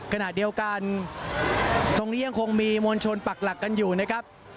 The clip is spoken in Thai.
ขณะเดียวกันตรงนี้ยังคงมีมวลชนปักหลักกันอยู่นะครับ